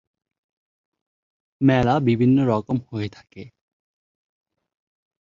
মেলা বিভিন্ন রকম হয়ে থাকে।